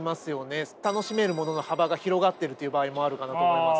楽しめるものの幅が広がってるという場合もあるかなと思います。